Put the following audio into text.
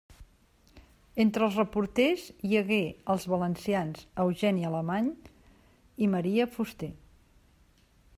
Entre els reporters hi hagué els valencians Eugeni Alemany i Maria Fuster.